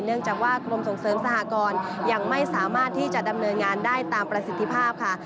เนื่องจากว่ากรมส่งเสริมสหกรยังไม่สามารถที่จะดำเนินงานได้ตามประสิทธิภาพค่ะ